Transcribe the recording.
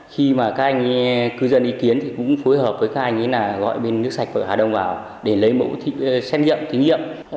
khi mà các anh cư dân ý kiến thì cũng phối hợp với các anh gọi bên nước sạch hà đông vào để lấy mẫu xét nghiệm thử nghiệm